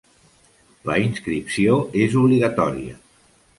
La inscripció és obligatòria.